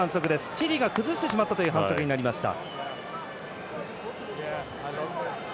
チリが崩してしまったという反則になりました。